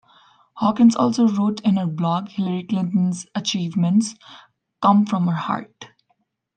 Hawkins also wrote in her blog, Hillary Clinton's achievements come from her heart.